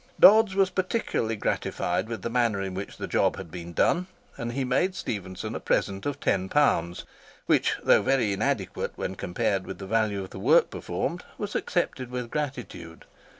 Dodds was particularly gratified with the manner in which the job had been done, and he made Stephenson a present of ten pounds, which, though very inadequate when compared with the value of the work performed, was accepted with gratitude.